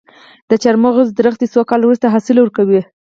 د چهارمغز ونې څو کاله وروسته حاصل ورکوي؟